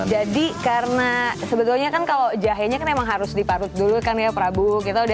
gimana jadi karena sebetulnya kan kalau jahenya memang harus diparut dulu kan ya prabu kita udah